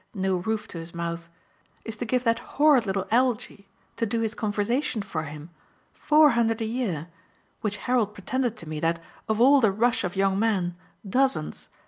no roof to his mouth is to give that horrid little Algie, to do his conversation for him, four hundred a year, which Harold pretended to me that, of all the rush of young men dozens!